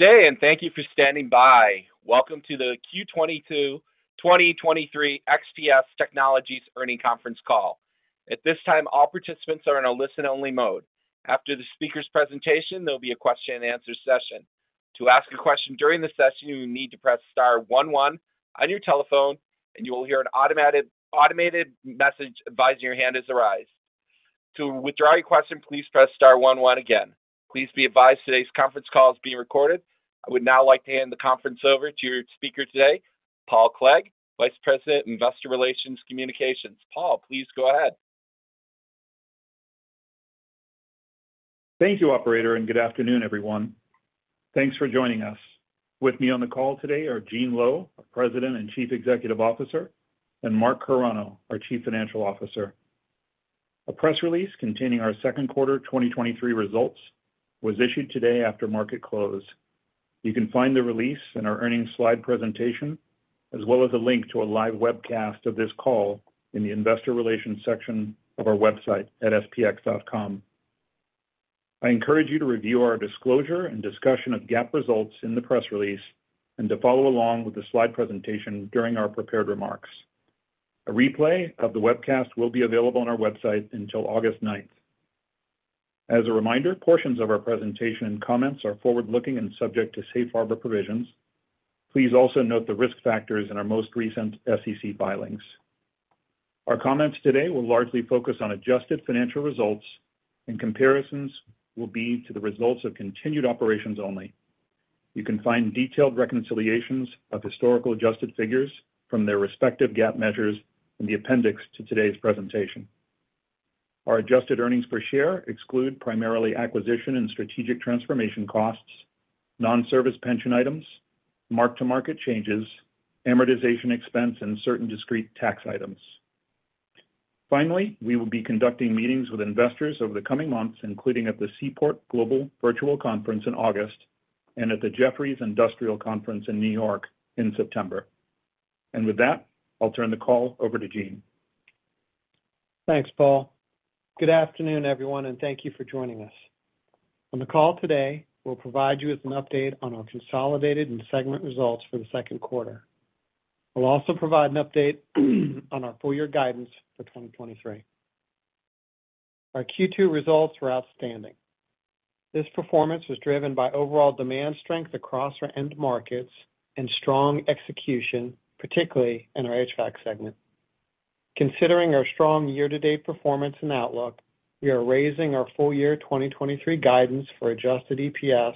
Today, and thank you for standing by. Welcome to the Q2 2023 SPX Technologies earnings conference call. At this time, all participants are in a listen-only mode. After the speaker's presentation, there'll be a question and answer session. To ask a question during the session, you will need to press star one one on your telephone, and you will hear an automated message advising your hand has arrived. To withdraw your question, please press star one one again. Please be advised today's conference call is being recorded. I would now like to hand the conference over to your speaker today, Paul Clegg, Vice President, Investor Relations Communications. Paul, please go ahead. Thank you, operator. Good afternoon, everyone. Thanks for joining us. With me on the call today are Gene Lowe, our President and Chief Executive Officer, and Mark Carano, our Chief Financial Officer. A press release containing our second quarter 2023 results was issued today after market close. You can find the release in our earnings slide presentation, as well as a link to a live webcast of this call in the Investor Relations section of our website at spx.com. I encourage you to review our disclosure and discussion of GAAP results in the press release and to follow along with the slide presentation during our prepared remarks. A replay of the webcast will be available on our website until August 9th. As a reminder, portions of our presentation and comments are forward-looking and subject to Safe Harbor provisions. Please also note the risk factors in our most recent SEC filings. Our comments today will largely focus on adjusted financial results, and comparisons will be to the results of continued operations only. You can find detailed reconciliations of historical adjusted figures from their respective GAAP measures in the appendix to today's presentation. Our adjusted earnings per share exclude primarily acquisition and strategic transformation costs, non-service pension items, mark-to-market changes, amortization expense, and certain discrete tax items. Finally, we will be conducting meetings with investors over the coming months, including at the Seaport Global Virtual Conference in August and at the Jefferies Industrials Conference in New York in September. With that, I'll turn the call over to Gene. Thanks, Paul. Good afternoon, everyone, thank you for joining us. On the call today, we'll provide you with an update on our consolidated and segment results for the second quarter. We'll also provide an update on our full year guidance for 2023. Our Q2 results were outstanding. This performance was driven by overall demand strength across our end markets and strong execution, particularly in our HVAC segment. Considering our strong year-to-date performance and outlook, we are raising our full year 2023 guidance for adjusted EPS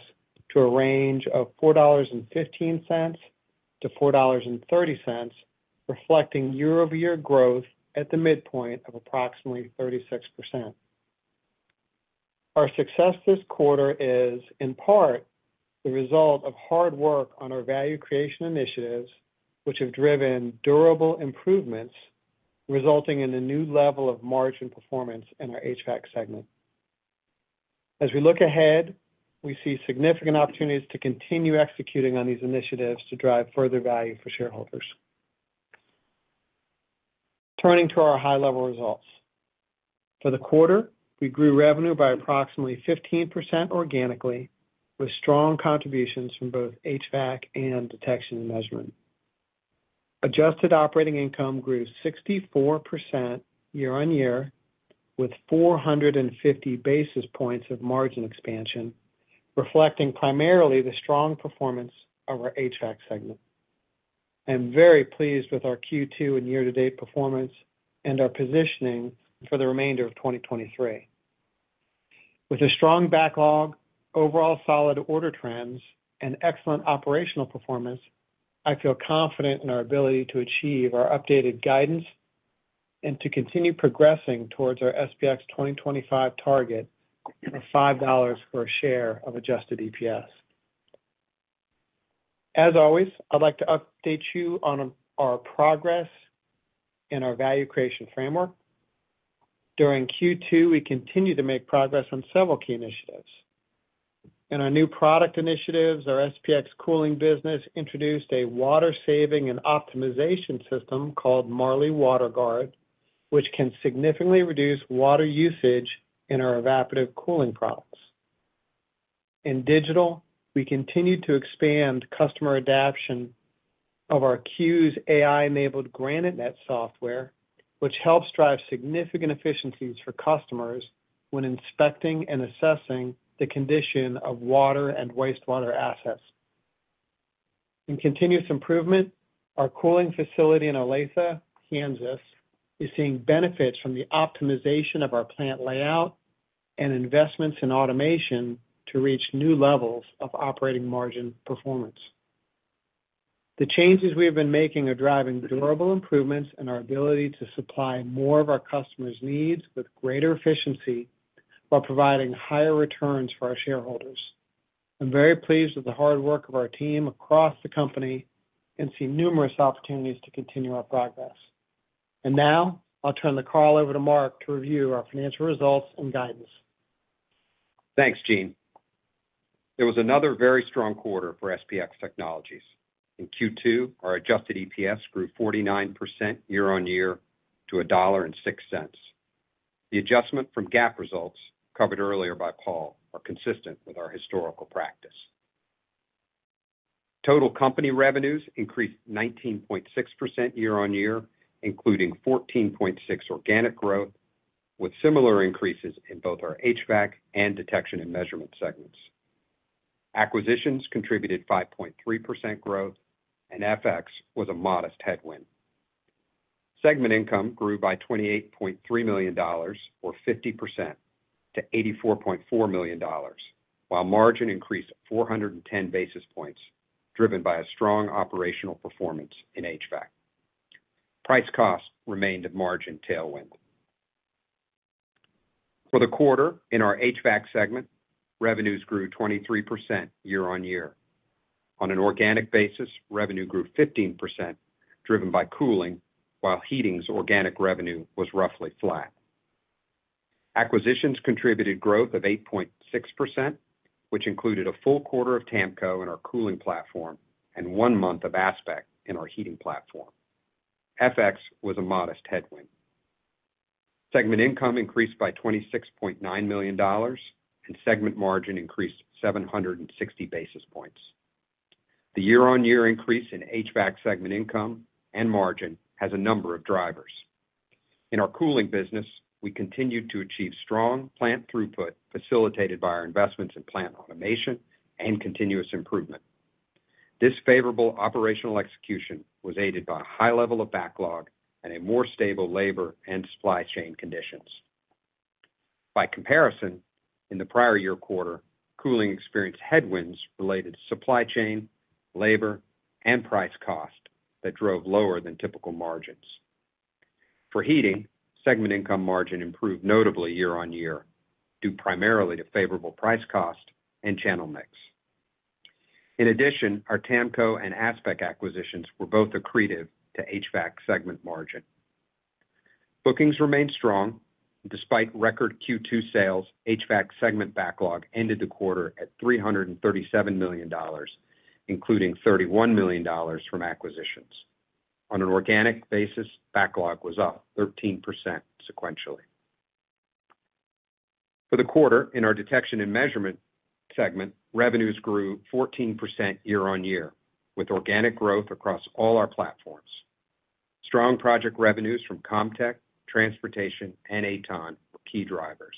to a range of $4.15-$4.30, reflecting year-over-year growth at the midpoint of approximately 36%. Our success this quarter is, in part, the result of hard work on our value creation initiatives, which have driven durable improvements, resulting in a new level of margin performance in our HVAC segment. As we look ahead, we see significant opportunities to continue executing on these initiatives to drive further value for shareholders. Turning to our high-level results. For the quarter, we grew revenue by approximately 15% organically, with strong contributions from both HVAC and Detection and Measurement. Adjusted operating income grew 64% year-on-year, with 450 basis points of margin expansion, reflecting primarily the strong performance of our HVAC segment. I am very pleased with our Q2 and year-to-date performance and our positioning for the remainder of 2023. With a strong backlog, overall solid order trends, and excellent operational performance, I feel confident in our ability to achieve our updated guidance and to continue progressing towards our SPX 2025 target of $5 for a share of adjusted EPS. As always, I'd like to update you on our progress in our value creation framework. During Q2, we continued to make progress on several key initiatives. In our new product initiatives, our SPX Cooling introduced a water-saving and optimization system called Marley WaterGard, which can significantly reduce water usage in our evaporative cooling products. In digital, we continued to expand customer adaption of our CUES' AI-enabled GraniteNet Software, which helps drive significant efficiencies for customers when inspecting and assessing the condition of water and wastewater assets. In continuous improvement, our cooling facility in Olathe, Kansas, is seeing benefits from the optimization of our plant layout and investments in automation to reach new levels of operating margin performance. The changes we have been making are driving durable improvements in our ability to supply more of our customers' needs with greater efficiency, while providing higher returns for our shareholders. I'm very pleased with the hard work of our team across the company and see numerous opportunities to continue our progress. Now, I'll turn the call over to Mark to review our financial results and guidance. Thanks, Gene. It was another very strong quarter for SPX Technologies. In Q2, our adjusted EPS grew 49% year-on-year to $1.06. The adjustment from GAAP results, covered earlier by Paul, are consistent with our historical practice. Total company revenues increased 19.6% year-on-year, including 14.6% organic growth, with similar increases in both our HVAC and Detection and Measurement segments. Acquisitions contributed 5.3% growth, and FX was a modest headwind. Segment income grew by $28.3 million, or 50%, to $84.4 million, while margin increased 410 basis points, driven by a strong operational performance in HVAC. Price cost remained a margin tailwind. For the quarter, in our HVAC segment, revenues grew 23% year-on-year. On an organic basis, revenue grew 15%, driven by cooling, while heating's organic revenue was roughly flat. Acquisitions contributed growth of 8.6%, which included a full quarter of TAMCO in our cooling platform and one month of ASPEQ in our heating platform. FX was a modest headwind. Segment income increased by $26.9 million, segment margin increased 760 basis points. The year-on-year increase in HVAC segment income and margin has a number of drivers. In our cooling business, we continued to achieve strong plant throughput, facilitated by our investments in plant automation and continuous improvement. This favorable operational execution was aided by a high level of backlog and a more stable labor and supply chain conditions. By comparison, in the prior year quarter, cooling experienced headwinds related to supply chain, labor, and price cost that drove lower than typical margins. For heating, segment income margin improved notably year-on-year, due primarily to favorable price cost and channel mix. Our TAMCO and ASPEQ acquisitions were both accretive to HVAC segment margin. Bookings remained strong. Despite record Q2 sales, HVAC segment backlog ended the quarter at $337 million, including $31 million from acquisitions. On an organic basis, backlog was up 13% sequentially. For the quarter, in our Detection and Measurement segment, revenues grew 14% year-on-year, with organic growth across all our platforms. Strong project revenues from CommTech, Transportation, and AtoN were key drivers.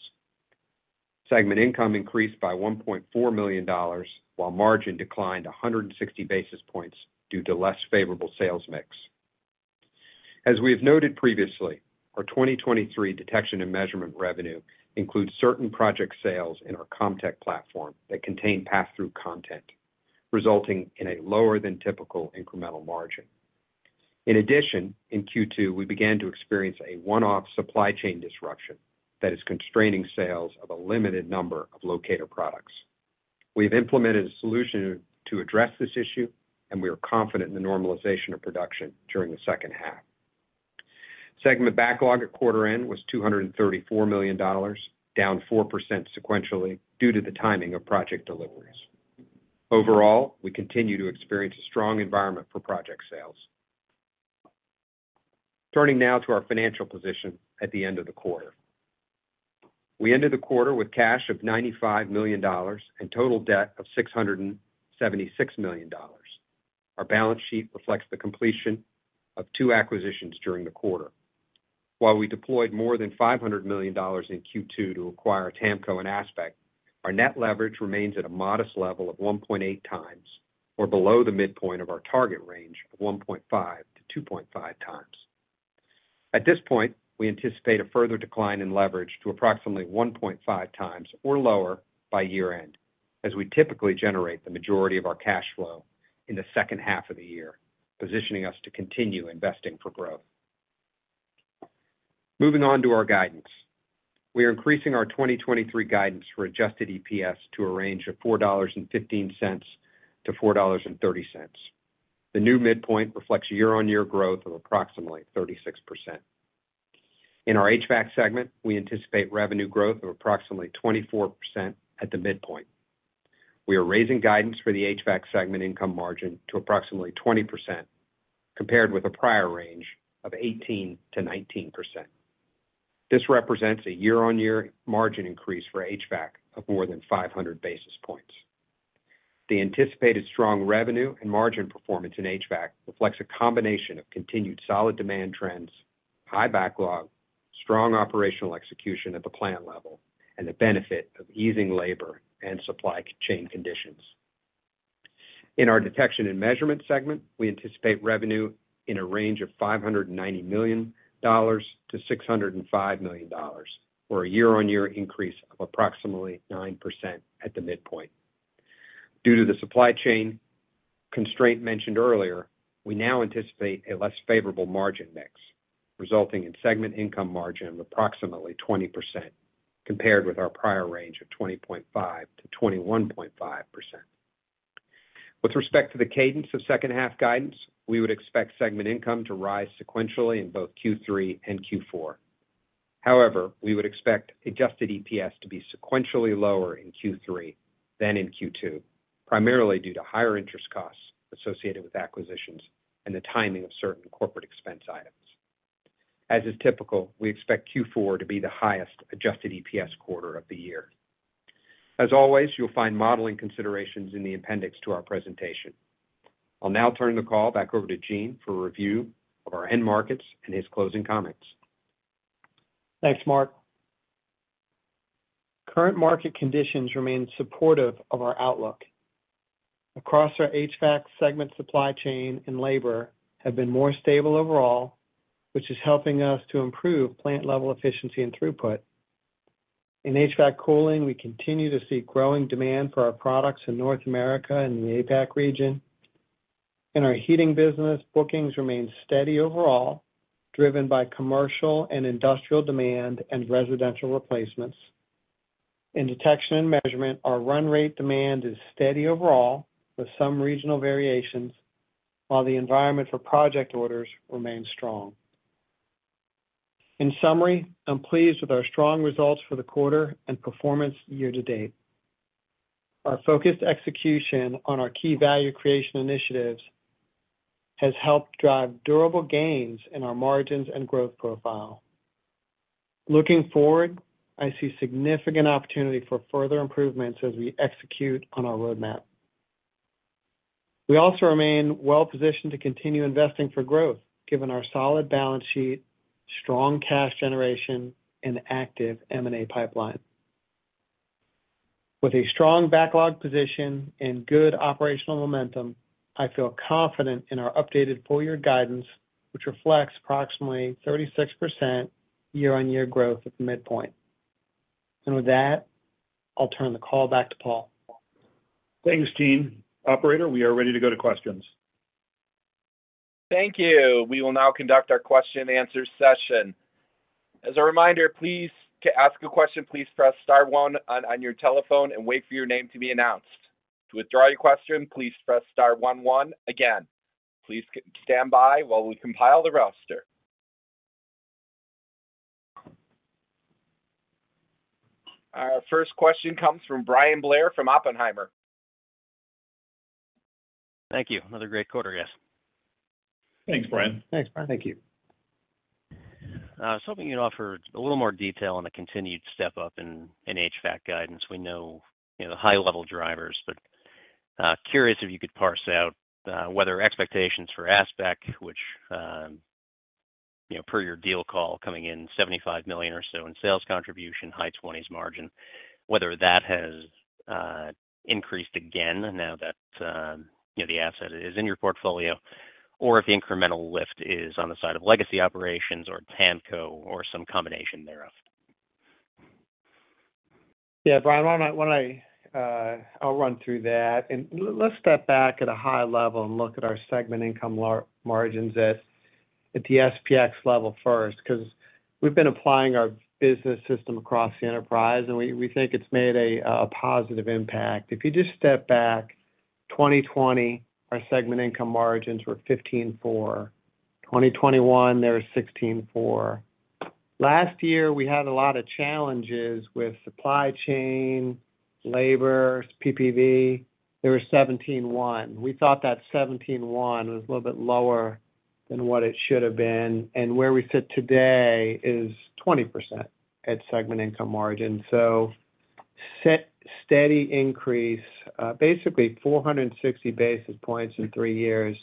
Segment income increased by $1.4 million, while margin declined 160 basis points due to less favorable sales mix. As we have noted previously, our 2023 Detection and Measurement revenue includes certain project sales in our CommTech platform that contain pass-through content, resulting in a lower-than-typical incremental margin. In addition, in Q2, we began to experience a one-off supply chain disruption that is constraining sales of a limited number of locator products. We have implemented a solution to address this issue, we are confident in the normalization of production during the second half. Segment backlog at quarter end was $234 million, down 4% sequentially due to the timing of project deliveries. Overall, we continue to experience a strong environment for project sales. Turning now to our financial position at the end of the quarter. We ended the quarter with cash of $95 million and total debt of $676 million. Our balance sheet reflects the completion of two acquisitions during the quarter. While we deployed more than $500 million in Q2 to acquire TAMCO and ASPEQ, our net leverage remains at a modest level of 1.8x or below the midpoint of our target range of 1.5x-2.5x. At this point, we anticipate a further decline in leverage to approximately 1.5x or lower by year-end, as we typically generate the majority of our cash flow in the second half of the year, positioning us to continue investing for growth. Moving on to our guidance. We are increasing our 2023 guidance for adjusted EPS to a range of $4.15-$4.30. The new midpoint reflects year-on-year growth of approximately 36%. In our HVAC segment, we anticipate revenue growth of approximately 24% at the midpoint. We are raising guidance for the HVAC segment income margin to approximately 20%, compared with a prior range of 18%-19%. This represents a year-on-year margin increase for HVAC of more than 500 basis points. The anticipated strong revenue and margin performance in HVAC reflects a combination of continued solid demand trends, high backlog, strong operational execution at the plant level, and the benefit of easing labor and supply chain conditions. In our Detection and Measurement segment, we anticipate revenue in a range of $590 million-$605 million, or a year-on-year increase of approximately 9% at the midpoint. Due to the supply chain constraint mentioned earlier, we now anticipate a less favorable margin mix, resulting in segment income margin of approximately 20%, compared with our prior range of 20.5%-21.5%. With respect to the cadence of second half guidance, we would expect segment income to rise sequentially in both Q3 and Q4. We would expect adjusted EPS to be sequentially lower in Q3 than in Q2. Primarily due to higher interest costs associated with acquisitions and the timing of certain corporate expense items. As is typical, we expect Q4 to be the highest adjusted EPS quarter of the year. As always, you'll find modeling considerations in the appendix to our presentation. I'll now turn the call back over to Gene for a review of our end markets and his closing comments. Thanks, Mark. Current market conditions remain supportive of our outlook. Across our HVAC segment, supply chain and labor have been more stable overall, which is helping us to improve plant level efficiency and throughput. In HVAC cooling, we continue to see growing demand for our products in North America and the APAC region. In our heating business, bookings remain steady overall, driven by commercial and industrial demand and residential replacements. In Detection and Measurement, our run rate demand is steady overall, with some regional variations, while the environment for project orders remains strong. In summary, I'm pleased with our strong results for the quarter and performance year to date. Our focused execution on our key value creation initiatives has helped drive durable gains in our margins and growth profile. Looking forward, I see significant opportunity for further improvements as we execute on our roadmap. We also remain well positioned to continue investing for growth, given our solid balance sheet, strong cash generation, and active M&A pipeline. With a strong backlog position and good operational momentum, I feel confident in our updated full year guidance, which reflects approximately 36% year-on-year growth at the midpoint. With that, I'll turn the call back to Paul. Thanks, Gene. Operator, we are ready to go to questions. Thank you. We will now conduct our question and answer session. As a reminder, please, to ask a question, please press star one on your telephone and wait for your name to be announced. To withdraw your question, please press star one one. Again, please stand by while we compile the roster. Our first question comes from Bryan Blair, from Oppenheimer. Thank you. Another great quarter, guys. Thanks, Bryan. Thanks, Bryan. Thank you. I was hoping you'd offer a little more detail on the continued step up in, in HVAC guidance. We know, you know, the high-level drivers. Curious if you could parse out, whether expectations for ASPEQ, which, you know, per your deal call, coming in $75 million or so in sales contribution, high 20s margin, whether that has increased again now that, you know, the asset is in your portfolio, or if the incremental lift is on the side of legacy operations or TAMCO, or some combination thereof. Yeah, Bryan, why don't I, why don't I, I'll run through that. Let's step back at a high level and look at our segment income large margins at, at the SPX level first, because we've been applying our business system across the enterprise, and we, we think it's made a, a positive impact. If you just step back, 2020, our segment income margins were 15.4. 2021, they were 16.4. Last year, we had a lot of challenges with supply chain, labor, PPV. They were 17.1. We thought that 17.1 was a little bit lower than what it should have been, and where we sit today is 20% at segment income margin. Steady increase, basically 460 basis points in three years.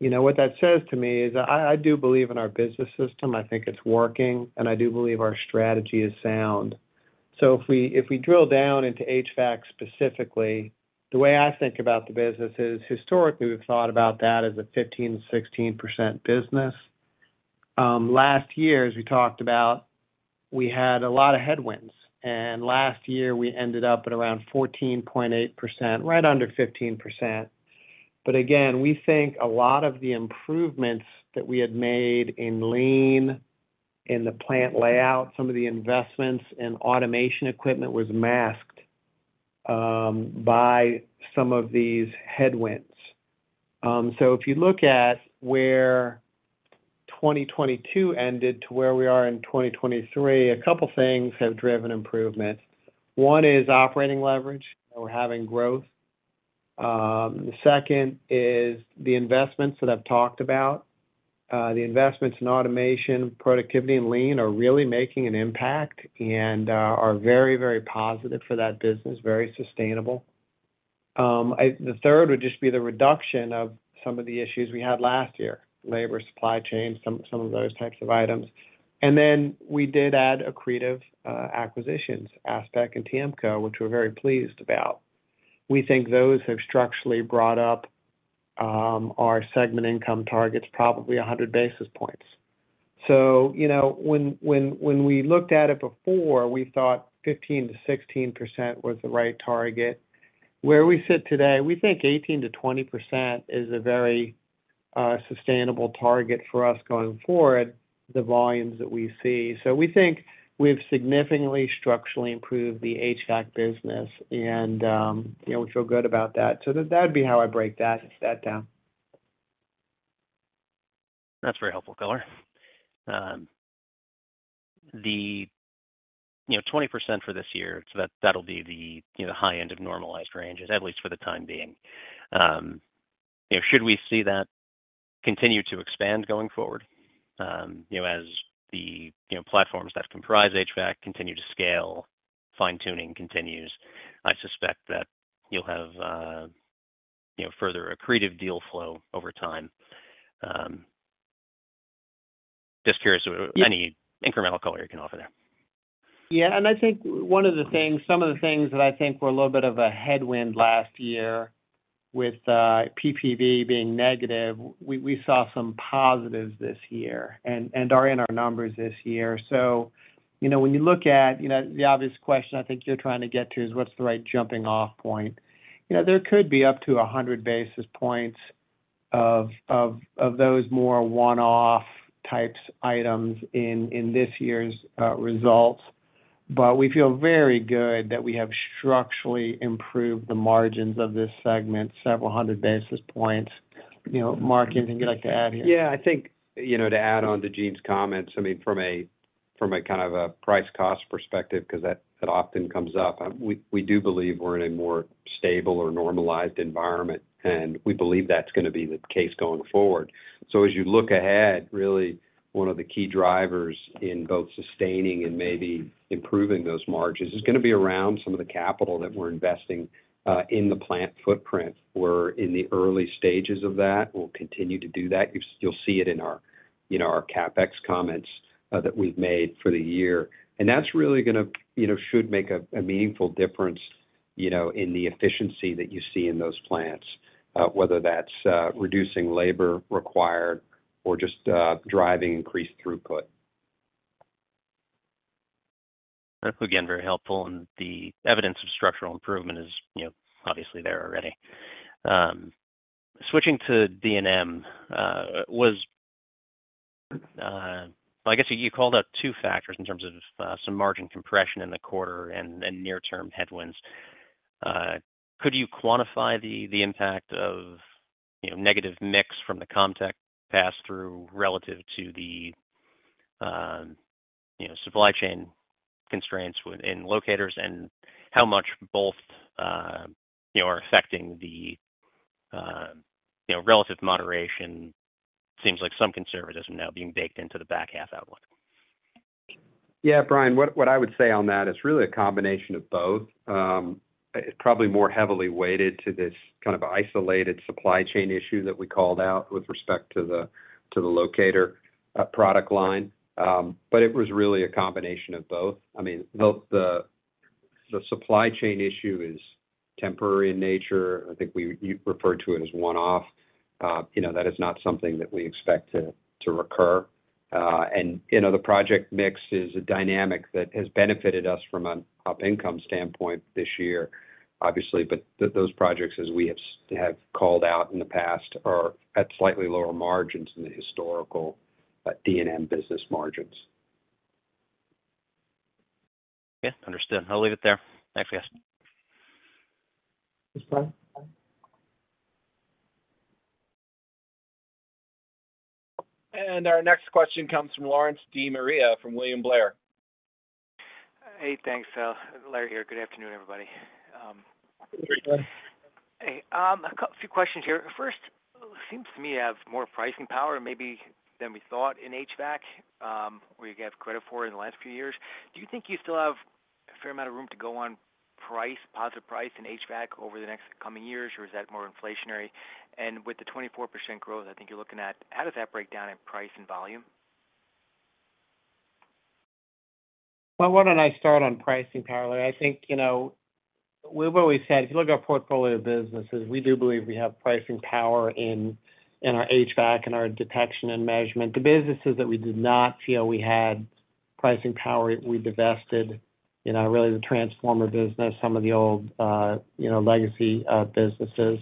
You know, what that says to me is I do believe in our business system. I think it's working, and I do believe our strategy is sound. If we, if we drill down into HVAC specifically, the way I think about the business is, historically, we've thought about that as a 15%-16% business. Last year, as we talked about, we had a lot of headwinds, and last year we ended up at around 14.8%, right under 15%. Again, we think a lot of the improvements that we had made in lean, in the plant layout, some of the investments in automation equipment was masked by some of these headwinds. If you look at where 2022 ended to where we are in 2023, a couple things have driven improvement. One is operating leverage, so we're having growth. The second is the investments that I've talked about. The investments in automation, productivity, and lean are really making an impact and are very, very positive for that business, very sustainable. The third would just be the reduction of some of the issues we had last year, labor, supply chain, some, some of those types of items. Then we did add accretive acquisitions, ASPEQ and TAMCO, which we're very pleased about. We think those have structurally brought up our segment income targets, probably 100 basis points. You know, when, when, when we looked at it before, we thought 15%-16% was the right target. Where we sit today, we think 18%-20% is a very sustainable target for us going forward, the volumes that we see. So we think we've significantly structurally improved the HVAC business and, you know, we feel good about that. That, that'd be how I break that, that down. That's very helpful color. The, you know, 20% for this year, so that, that'll be the, you know, high end of normalized ranges, at least for the time being. You know, should we see that continue to expand going forward? You know, as the, you know, platforms that comprise HVAC continue to scale, fine-tuning continues, I suspect that you'll have, you know, further accretive deal flow over time. Just curious any incremental color you can offer there. Yeah, and I think one of the things- some of the things that I think were a little bit of a headwind last year with PPV being negative, we, we saw some positives this year and, and are in our numbers this year. You know, when you look at, you know, the obvious question I think you're trying to get to is what's the right jumping off point? You know, there could be up to 100 basis points of, of, of those more one-off types items in, in this year's results, but we feel very good that we have structurally improved the margins of this segment several hundred basis points. You know, Mark, anything you'd like to add here? Yeah, I think, you know, to add on to Gene's comments, I mean, from a, from a kind of a price cost perspective, because that, that often comes up, we, we do believe we're in a more stable or normalized environment, and we believe that's gonna be the case going forward. As you look ahead, really one of the key drivers in both sustaining and maybe improving those margins is gonna be around some of the capital that we're investing in the plant footprint. We're in the early stages of that. We'll continue to do that. You, you'll see it in our, you know, our CapEx comments that we've made for the year. That's really gonna, you know, should make a, a meaningful difference, you know, in the efficiency that you see in those plants, whether that's reducing labor required or just driving increased throughput. That's, again, very helpful, and the evidence of structural improvement is, you know, obviously there already. Switching to D&M, well, I guess, you called out two factors in terms of some margin compression in the quarter and near-term headwinds. Could you quantify the impact of, you know, negative mix from the CommTech pass-through relative to the, you know, supply chain constraints in locators and how much both, you know, are affecting the, you know, relative moderation? Seems like some conservatism now being baked into the back half outlook. Yeah, Bryan, what I would say on that, it's really a combination of both. Probably more heavily weighted to this kind of isolated supply chain issue that we called out with respect to the locator product line. It was really a combination of both. I mean, both the supply chain issue is temporary in nature. I think you referred to it as one-off. You know, that is not something that we expect to recur. You know, the project mix is a dynamic that has benefited us from an income standpoint this year, obviously, but those projects, as we have called out in the past, are at slightly lower margins than the historical D&M business margins. Yeah, understood. I'll leave it there. Thanks, guys. Thanks, Bryan. Our next question comes from Lawrence De Maria from William Blair. Hey, thanks, Larry here. Good afternoon, everybody. Hey. Hey, a few questions here. First, seems to me you have more pricing power maybe than we thought in HVAC, where you have credit for in the last few years. Do you think you still have a fair amount of room to go on price, positive price in HVAC over the next coming years, or is that more inflationary? With the 24% growth I think you're looking at, how does that break down in price and volume? Well, why don't I start on pricing power, Larry? I think, you know, we've always said, if you look at our portfolio of businesses, we do believe we have pricing power in, in our HVAC and our Detection and Measurement. The businesses that we did not feel we had pricing power, we divested, you know, really the transformer business, some of the old, you know, legacy businesses.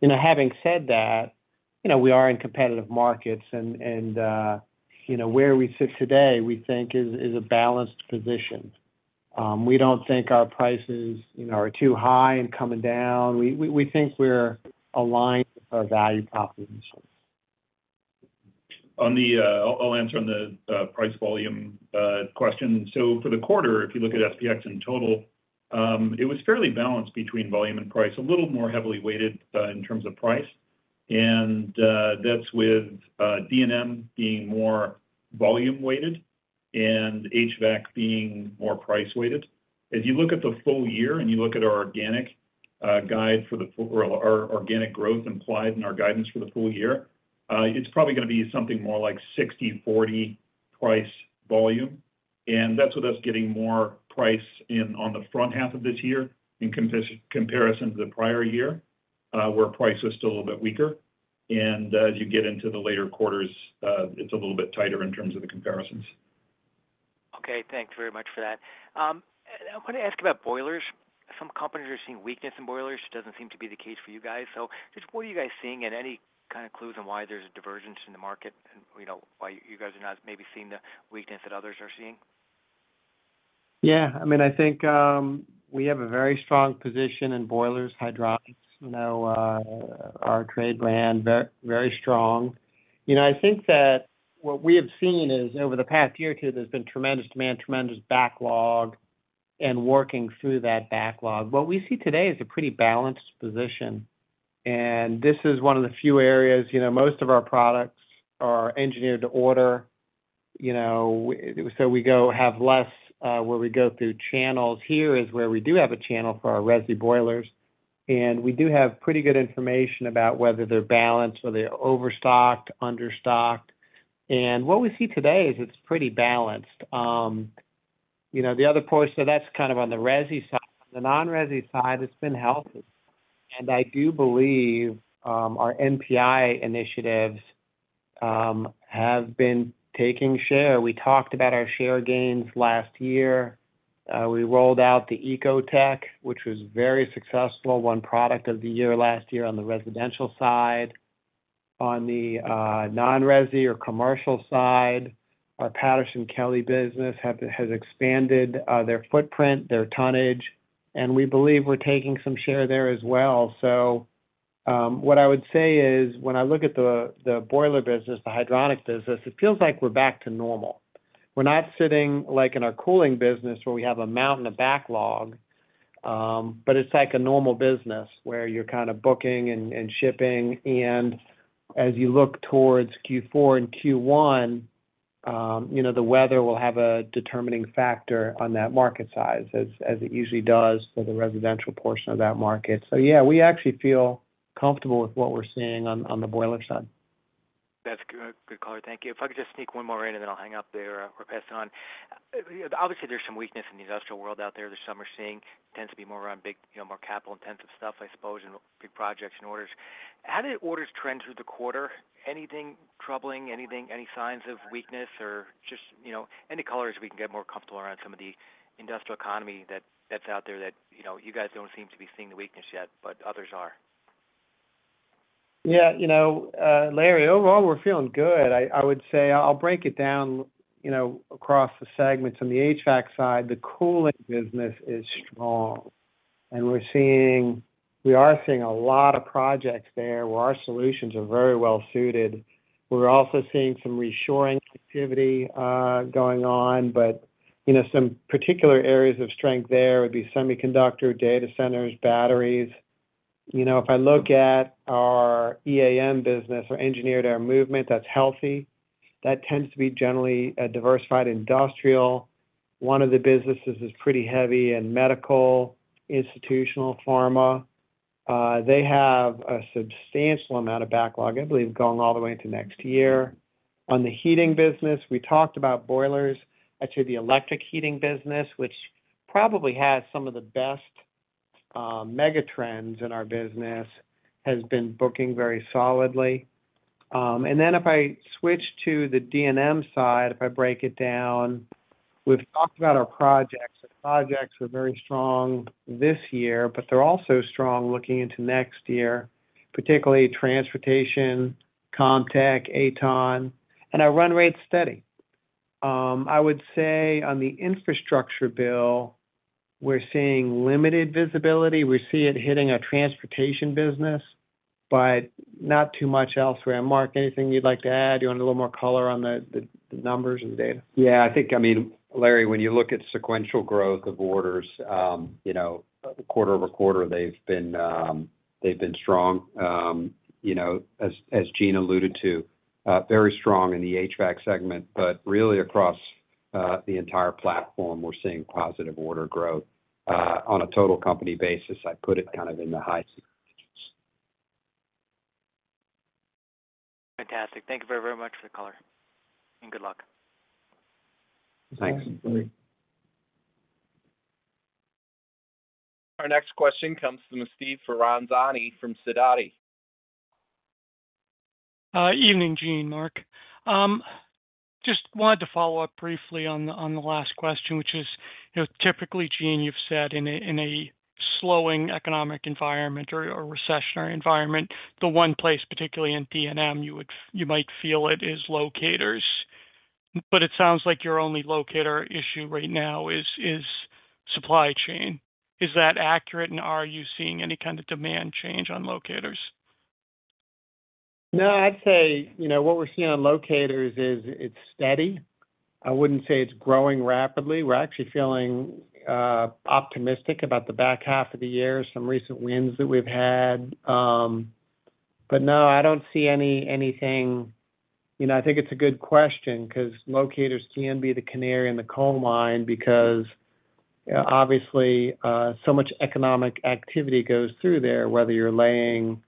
You know, having said that, you know, we are in competitive markets and, and, you know, where we sit today, we think is, is a balanced position. We don't think our prices, you know, are too high and coming down. We, we, we think we're aligned with our value propositions. On the, I'll, I'll answer on the price volume question. For the quarter, if you look at SPX in total, it was fairly balanced between volume and price, a little more heavily weighted in terms of price. That's with D&M being more volume weighted and HVAC being more price weighted. If you look at the full year, and you look at our organic guide for the full or our organic growth implied in our guidance for the full year, it's probably gonna be something more like 60/40 price volume, and that's with us getting more price in on the front half of this year in comparis- comparison to the prior year, where price was still a little bit weaker. As you get into the later quarters, it's a little bit tighter in terms of the comparisons. Okay, thanks very much for that. I want to ask about boilers. Some companies are seeing weakness in boilers. It doesn't seem to be the case for you guys. Just what are you guys seeing, and any kind of clues on why there's a divergence in the market and, you know, why you guys are not maybe seeing the weakness that others are seeing? Yeah, I mean, I think, we have a very strong position in boilers, hydraulics. You know, our trade brand, very strong. You know, I think that what we have seen is over the past year or two, there's been tremendous demand, tremendous backlog, and working through that backlog. What we see today is a pretty balanced position, and this is one of the few areas, you know, most of our products are engineered to order, you know, so we go have less, where we go through channels. Here is where we do have a channel for our resi boilers, and we do have pretty good information about whether they're balanced or they're overstocked, understocked. What we see today is it's pretty balanced. You know, the other portion, so that's kind of on the resi side. The non-resi side, it's been healthy. I do believe our NPI initiatives have been taking share. We talked about our share gains last year. We rolled out the ECO Tec, which was very successful, won product of the year last year on the residential side. On the non-resi or commercial side, our Patterson-Kelley business has expanded their footprint, their tonnage, and we believe we're taking some share there as well. What I would say is, when I look at the boiler business, the hydronics business, it feels like we're back to normal. We're not sitting like in our cooling business, where we have a mountain of backlog, but it's like a normal business where you're kind of booking and shipping. As you look towards Q4 and Q1, you know, the weather will have a determining factor on that market size, as, as it usually does for the residential portion of that market. Yeah, we actually feel comfortable with what we're seeing on, on the boiler side. That's good. Good color. Thank you. If I could just sneak one more in, then I'll hang up there or pass it on. Obviously, there's some weakness in the industrial world out there this summer, seeing tends to be more around big, you know, more capital-intensive stuff, I suppose, and big projects and orders. How did orders trend through the quarter? Anything troubling, anything, any signs of weakness or just, you know, any color as we can get more comfortable around some of the industrial economy that's out there that, you know, you guys don't seem to be seeing the weakness yet, but others are? Yeah, you know, Larry, overall, we're feeling good. I would say I'll break it down, you know, across the segments. On the HVAC side, the cooling business is strong. We are seeing a lot of projects there where our solutions are very well suited. We're also seeing some reshoring activity going on, you know, some particular areas of strength there would be semiconductor, data centers, batteries. You know, if I look at our EAM business or Engineered Air Movement, that's healthy. That tends to be generally a diversified industrial. One of the businesses is pretty heavy in medical, institutional, pharma. They have a substantial amount of backlog, I believe, going all the way into next year. On the heating business, we talked about boilers. Actually, the electric heating business, which probably has some of the best mega trends in our business, has been booking very solidly. Then if I switch to the D&M side, if I break it down, we've talked about our projects. The projects are very strong this year, but they're also strong looking into next year, particularly Transportation, CommTech, AtoN, and our run rate's steady. I would say on the infrastructure bill, we're seeing limited visibility. We see it hitting our transportation business, but not too much elsewhere. Mark, anything you'd like to add? You want a little more color on the, the, the numbers and data? I think, I mean, Larry, when you look at sequential growth of orders, you know, quarter-over-quarter, they've been strong. You know, as, as Gene alluded to, very strong in the HVAC segment, but really across the entire platform, we're seeing positive order growth. On a total company basis, I'd put it kind of in the high singles. Fantastic. Thank you very, very much for the color, and good luck. Thanks, Larry. Our next question comes from Steve Ferazani from Sidoti. Evening, Gene, Mark. Just wanted to follow up briefly on the, on the last question, which is, you know, typically, Gene, you've said in a, in a slowing economic environment or, or recessionary environment, the one place, particularly in D&M, you might feel it is locators, but it sounds like your only locator issue right now is, is supply chain. Is that accurate, and are you seeing any kind of demand change on locators? No, I'd say, you know, what we're seeing on locators is it's steady. I wouldn't say it's growing rapidly. We're actually feeling optimistic about the back half of the year, some recent wins that we've had. But no, I don't see anything. You know, I think it's a good question because locators can be the canary in the coal mine because, obviously, so much economic activity goes through there, whether you're laying,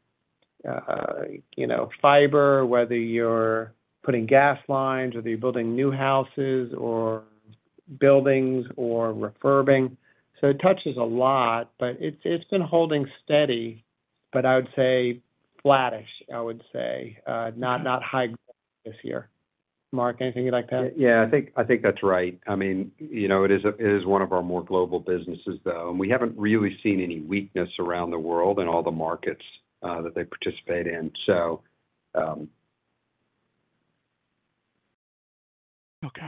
you know, fiber, whether you're putting gas lines, whether you're building new houses or buildings or refurbing. It touches a lot, but it's, it's been holding steady. I would say flattish, I would say, not, not high growth this year. Mark, anything you'd like to add? Yeah, I think, I think that's right. I mean, you know, it is, it is one of our more global businesses, though, and we haven't really seen any weakness around the world in all the markets, that they participate in. So, Okay.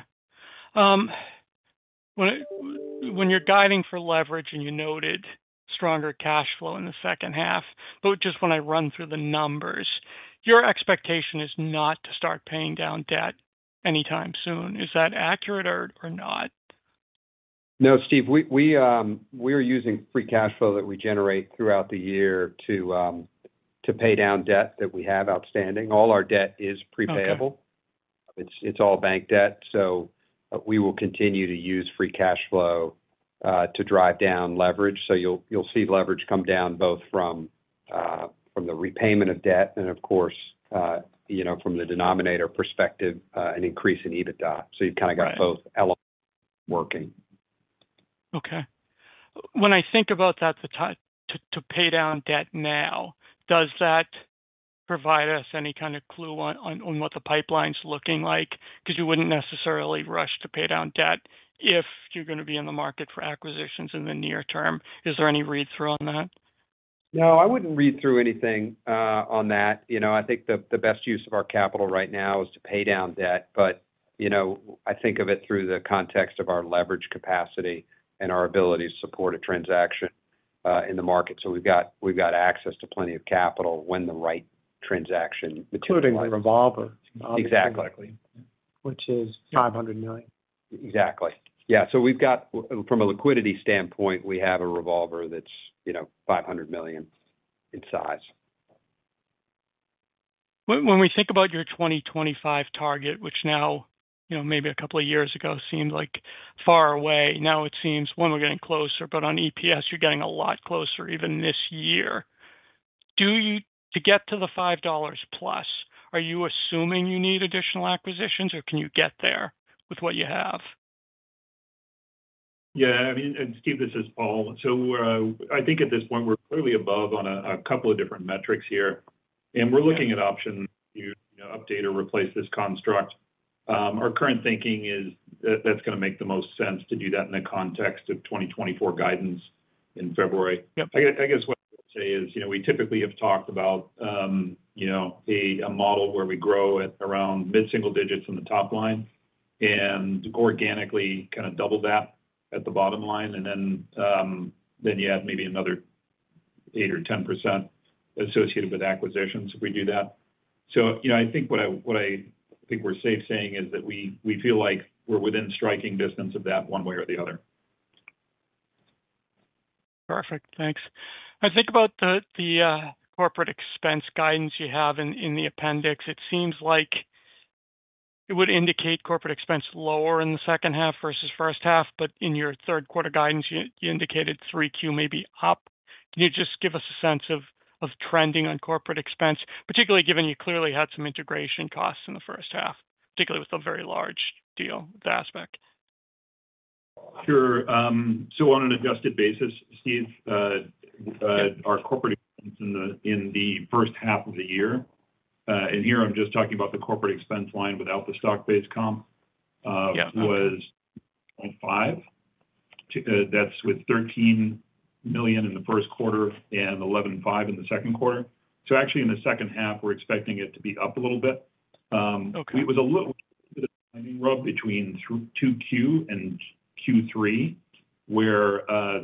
When, when you're guiding for leverage, you noted stronger cash flow in the second half, just when I run through the numbers, your expectation is not to start paying down debt anytime soon. Is that accurate or, or not? No, Steve, we, we, we're using free cash flow that we generate throughout the year to, to pay down debt that we have outstanding. All our debt is prepayable. Okay. It's, it's all bank debt, we will continue to use free cash flow to drive down leverage. You'll, you'll see leverage come down both from from the repayment of debt and, of course, you know, from the denominator perspective, an increase in EBITDA. Right. You've kind of got both elements working. Okay. When I think about that, to, to pay down debt now, does that provide us any kind of clue on what the pipeline's looking like? You wouldn't necessarily rush to pay down debt if you're gonna be in the market for acquisitions in the near term. Is there any read-through on that? No, I wouldn't read through anything on that. You know, I think the, the best use of our capital right now is to pay down debt, but, you know, I think of it through the context of our leverage capacity and our ability to support a transaction in the market. We've got, we've got access to plenty of capital when the right transaction. Including the revolver, obviously. Exactly. Which is $500 million. Exactly. Yeah. From a liquidity standpoint, we have a revolver that's, you know, $500 million in size. When, when we think about your 2025 target, which now, you know, maybe a couple of years ago, seemed like far away, now it seems, one, we're getting closer, but on EPS, you're getting a lot closer, even this year. Do you, to get to the $5+, are you assuming you need additional acquisitions, or can you get there with what you have? Yeah, I mean, Steve, this is Paul. I think at this point, we're clearly above on a couple of different metrics here, and we're looking at options to, you know, update or replace this construct. Our current thinking is that that's gonna make the most sense to do that in the context of 2024 guidance in February. Yep, I guess, I guess what I'd say is, you know, we typically have talked about, you know, a model where we grow at around mid-single digits on the top line and organically kind of double that at the bottom line. Then, then you add maybe another 8% or 10% associated with acquisitions if we do that, you know, I think what I, what I think we're safe saying is that we, we feel like we're within striking distance of that, one way or the other. Perfect. Thanks. I think about the, the corporate expense guidance you have in, in the appendix. It seems like it would indicate corporate expense lower in the second half versus first half, but in your third quarter guidance, you, you indicated 3Q may be up. Can you just give us a sense of, of trending on corporate expense, particularly given you clearly had some integration costs in the first half, particularly with the very large deal, the ASPEQ? Sure. On an adjusted basis, Steve, our corporate expense in the first half of the year, and here I'm just talking about the corporate expense line without the stock-based comp. Yeah was $0.5. That's with $13 million in the first quarter and $11.5 in the second quarter. Actually, in the second half, we're expecting it to be up a little bit. Okay. It was a little bit of timing rub between 2Q and Q3, where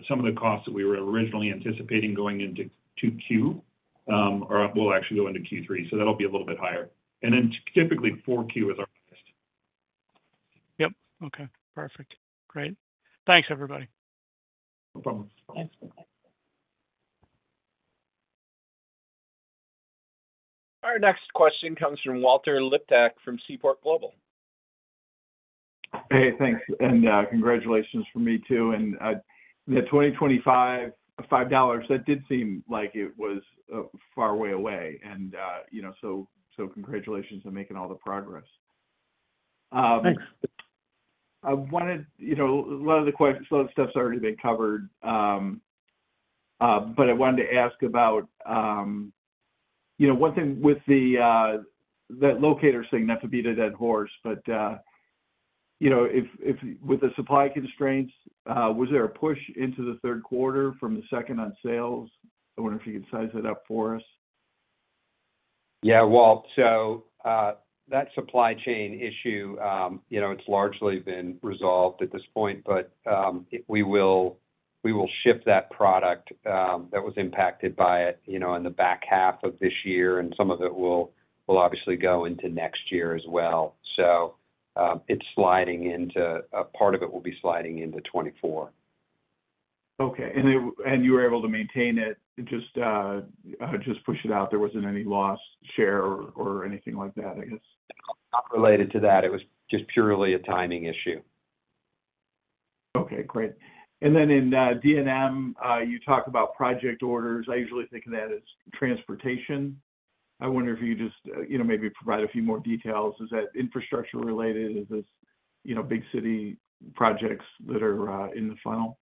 some of the costs that we were originally anticipating going into 2Q, are, will actually go into Q3, so that'll be a little bit higher. Then, typically, 4Q is our highest. Yep. Okay, perfect. Great. Thanks, everybody. No problem. Thanks. Our next question comes from Walter Liptak from Seaport Global. Hey, thanks, and congratulations from me, too. The 2025, $5, that did seem like it was far way away and, you know, so, so congratulations on making all the progress. Thanks. You know, a lot of the questions, a lot of the stuff's already been covered, but I wanted to ask about, you know, one thing with the that locator thing, not to beat a dead horse, but, you know, if, if with the supply constraints, was there a push into the third quarter from the second on sales? I wonder if you could size that up for us. Yeah, Walt. That supply chain issue, you know, it's largely been resolved at this point, but we will, we will ship that product that was impacted by it, you know, in the back half of this year, and some of it will, will obviously go into next year as well. A part of it will be sliding into 2024. Okay. You were able to maintain it, just push it out. There wasn't any lost share or anything like that, I guess? Not related to that. It was just purely a timing issue. Okay, great. Then in D&M, you talk about project orders. I usually think of that as transportation. I wonder if you just, you know, maybe provide a few more details. Is that infrastructure related? Is this, you know, big city projects that are in the funnel?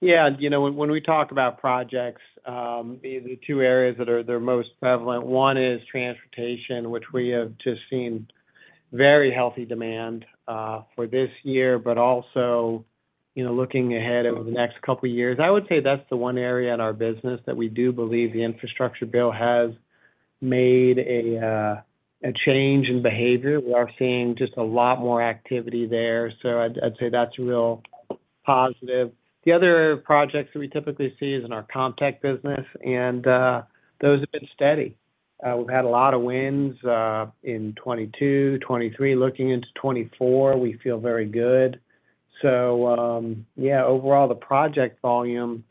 Yeah, you know, when we talk about projects, the two areas that are the most prevalent, 1 is transportation, which we have just seen very healthy demand for this year, but also, you know, looking ahead over the next couple years. I would say that's the one area in our business that we do believe the infrastructure bill has made a change in behavior. We are seeing just a lot more activity there, so I'd, I'd say that's a real positive. The other projects that we typically see is in our contact business, and those have been steady. We've had a lot of wins in 2022, 2023. Looking into 2024, we feel very good. Yeah, overall, the project volume,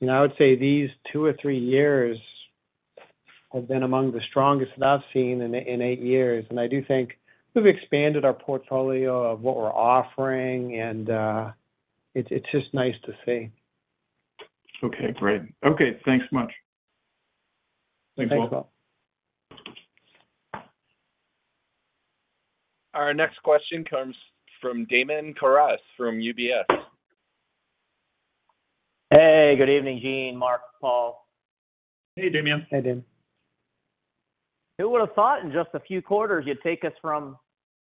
you know, I would say these two or three years have been among the strongest that I've seen in eight years. I do think we've expanded our portfolio of what we're offering, and it's, it's just nice to see. Okay, great. Okay, thanks much. Thanks, Paul. Our next question comes from Damian Karas from UBS. Hey, good evening, Gene, Mark, Paul. Hey, Damian. Hey, Damian. Who would have thought in just a few quarters, you'd take us from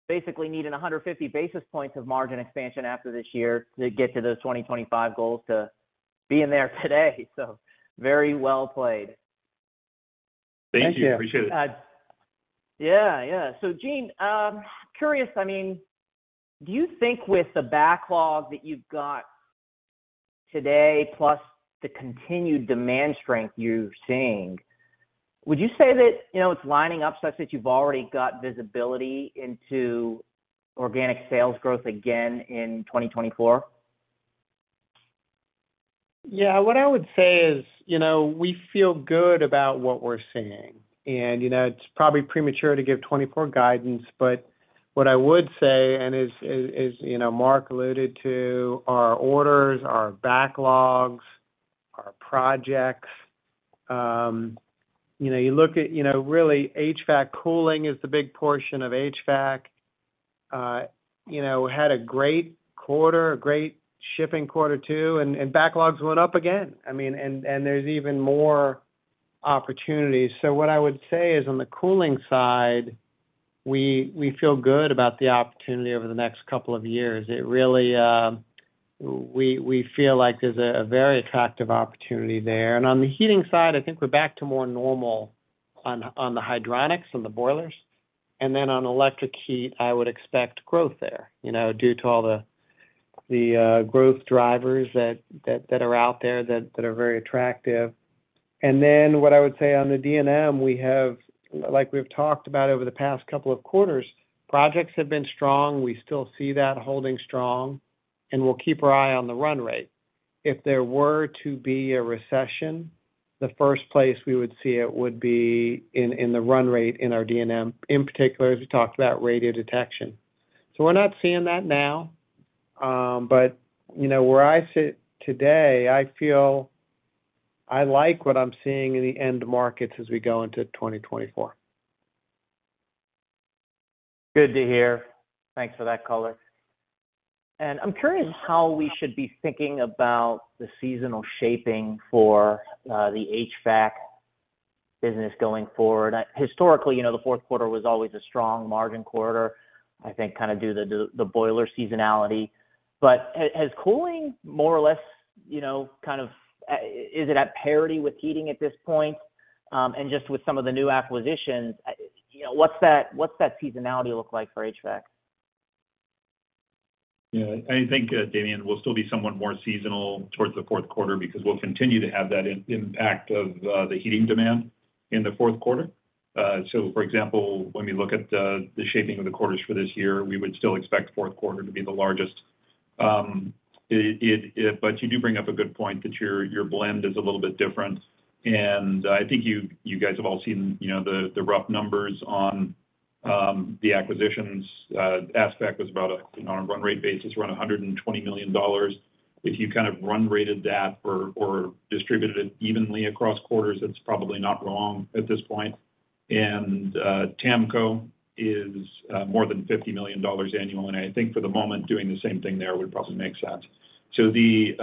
basically needing 150 basis points of margin expansion after this year to get to those 2025 goals to being there today? Very well played. Thank you. Appreciate it. Thank you. Yeah, yeah. Gene, curious, I mean, do you think with the backlog that you've got today, plus the continued demand strength you're seeing, would you say that, you know, it's lining up such that you've already got visibility into organic sales growth again in 2024? Yeah, what I would say is, you know, we feel good about what we're seeing. You know, it's probably premature to give 2024 guidance, but what I would say, and as, you know, Mark alluded to, our orders, our backlogs, our projects, you know, you look at, really, HVAC cooling is the big portion of HVAC. You know, had a great quarter, a great shipping quarter two, and backlogs went up again. I mean, there's even more opportunities. What I would say is, on the cooling side, we, we feel good about the opportunity over the next couple of years. It really, we, we feel like there's a, a very attractive opportunity there. On the heating side, I think we're back to more normal on, on the hydronics, on the boilers. On electric heat, I would expect growth there, you know, due to all the, the growth drivers that, that, that are out there that, that are very attractive. What I would say on the D&M, we have, like we've talked about over the past couple of quarters, projects have been strong. We still see that holding strong, and we'll keep our eye on the run rate. If there were to be a recession, the first place we would see it would be in, in the run rate in our D&M, in particular, as we talked about, Radiodetection. We're not seeing that now, but you know, where I sit today, I feel I like what I'm seeing in the end markets as we go into 2024. Good to hear. Thanks for that color. I'm curious how we should be thinking about the seasonal shaping for the HVAC business going forward. Historically, you know, the fourth quarter was always a strong margin quarter, I think kind of due to the, the boiler seasonality. Has cooling more or less, you know, kind of, is it at parity with heating at this point? Just with some of the new acquisitions, you know, what's that, what's that seasonality look like for HVAC? Yeah, I think Damian, we'll still be somewhat more seasonal towards the fourth quarter because we'll continue to have that impact of the heating demand in the fourth quarter. For example, when we look at the shaping of the quarters for this year, we would still expect fourth quarter to be the largest. You do bring up a good point, that your, your blend is a little bit different. I think you, you guys have all seen, you know, the rough numbers on the acquisitions. ASPEQ was about, on a run rate basis, around $120 million. If you kind of run rated that or, or distributed it evenly across quarters, that's probably not wrong at this point. TAMCO is more than $50 million annually, and I think for the moment, doing the same thing there would probably make sense. The,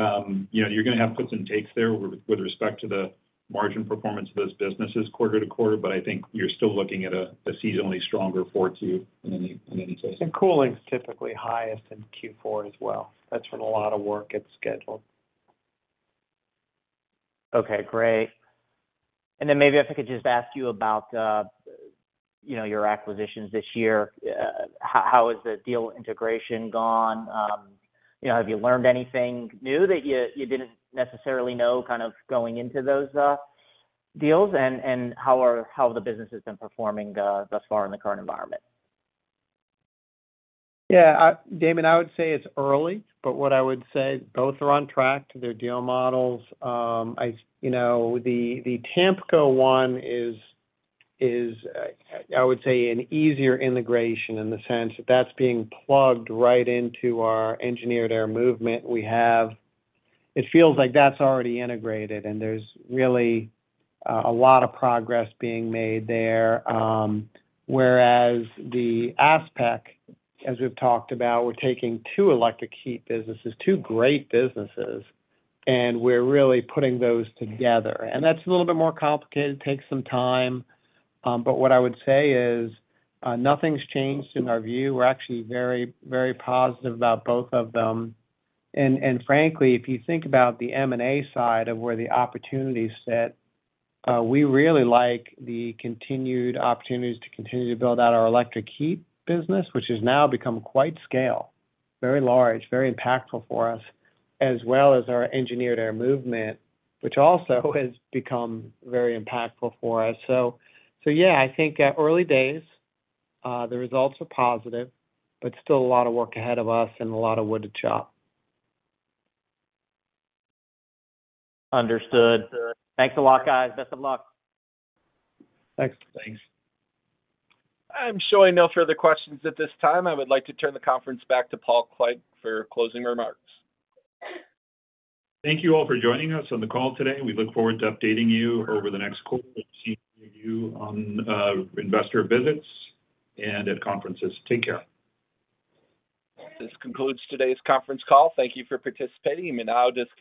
you know, you're gonna have puts and takes there with respect to the margin performance of those businesses quarter to quarter, but I think you're still looking at a seasonally stronger four two in any case. Cooling is typically highest in Q4 as well. That's from a lot of work that's scheduled. Okay, great. Then maybe if I could just ask you about, you know, your acquisitions this year. How, how has the deal integration gone? You know, have you learned anything new that you, you didn't necessarily know, kind of going into those, deals? How the business has been performing, thus far in the current environment? Yeah, Damian, I would say it's early, but what I would say, both are on track to their deal models. You know, the TAMCO one is, is, I would say, an easier integration in the sense that that's being plugged right into our Engineered Air Movement. It feels like that's already integrated, and there's really a lot of progress being made there. Whereas the ASPEQ, as we've talked about, we're taking two electric heat businesses, two great businesses, and we're really putting those together. That's a little bit more complicated, takes some time, but what I would say is nothing's changed in our view. We're actually very, very positive about both of them. Frankly, if you think about the M&A side of where the opportunities sit, we really like the continued opportunities to continue to build out our electric heat business, which has now become quite scale, very large, very impactful for us, as well as our Engineered Air Movement, which also has become very impactful for us. So yeah, I think, early days, the results are positive, but still a lot of work ahead of us and a lot of wood to chop. Understood. Thanks a lot, guys. Best of luck. Thanks. Thanks. I'm showing no further questions at this time. I would like to turn the conference back to Paul Clegg for closing remarks. Thank you all for joining us on the call today. We look forward to updating you over the next quarter, seeing you on investor visits and at conferences. Take care. This concludes today's conference call. Thank you for participating. You may now disconnect.